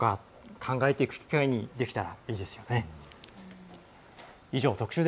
考えていく機会にできたらいいですよね。